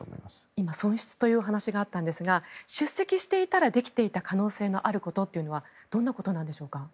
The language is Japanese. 今、損失というお話があったんですが出席していたらできていた可能性があることはどんなことなんでしょうか？